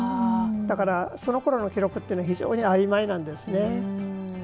だから、そのころの記録というのは非常にあいまいなんですね。